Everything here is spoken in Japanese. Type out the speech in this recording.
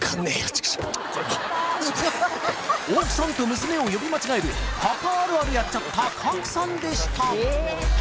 奥さんと娘を呼び間違えるパパあるあるやっちゃった賀来さんでした